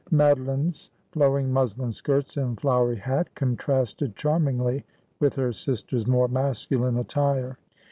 Madoline's flowing muslin skirts and flowery hat contrasted charmingly with her sister's more masculine attire.